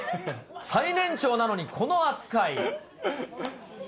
最年長なのにこの扱い。